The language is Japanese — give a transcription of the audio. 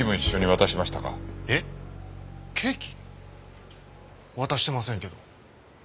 渡してませんけど。